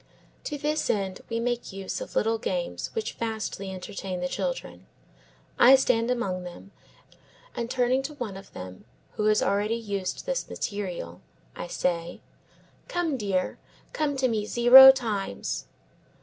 To this end we make use of little games which vastly entertain the children. I stand among them, and turning to one of them who has already used this material, I say, "Come, dear, come to me zero times."